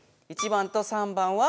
１番と３番は？